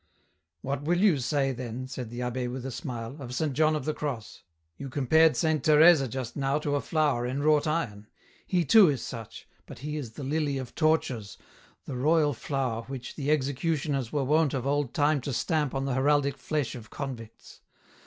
" What will you say, then," said the abbe, with a smile, " of St. John of the Cross ? You compared Saint Teresa just now to a flower in wrought iron ; he too is such, but he is the lily of tortures, the royal flower which the executioners were wont of old time to stamp on the heraldic flesh of convicts.